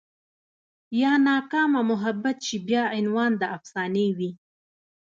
يا ناکامه محبت شي بيا عنوان د افسانې وي